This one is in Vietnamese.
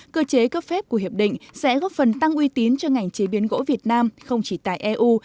cơ chế cấp phép của hiệp định sẽ góp phần tăng uy tín cho ngành chế biến gỗ việt nam không chỉ tại eu